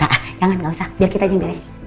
gak ah jangan gak usah biar kita jenjilin